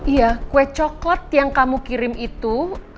iya kue coklat yang kamu kirim itu